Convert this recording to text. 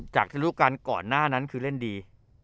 จากรูปการณ์ก่อนหน้านั้นคือเล่นดี